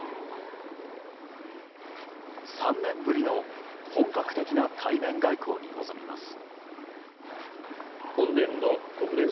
３年ぶりの本格的な対面外交に臨みます。